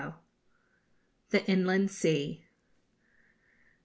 THE INLAND SEA.